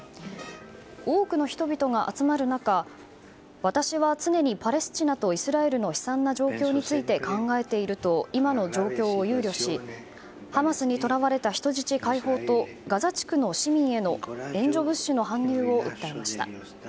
多くの人々が集まる中私は常にパレスチナとイスラエルの悲惨な状況について考えていると今の状況を憂慮しハマスにとらわれた人質解放とガザ地区の市民への援助物資の搬入を訴えました。